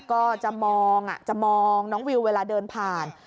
ก็จะมองจะมองน้องวิวเวลาเดินผ่าน